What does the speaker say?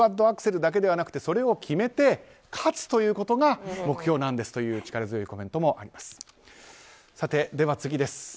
アクセルだけではなくそれを決めて勝つということが目標なんですという力強いコメントもあります。